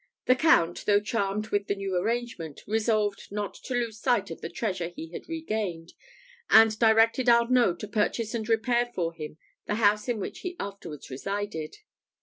The Count, though charmed with the new arrangement, resolved not to lose sight of the treasure he had regained, and directed Arnault to purchase and repair for him the house in which he afterwards resided.